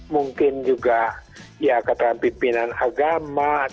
mungkin juga ya katakan pimpinan agama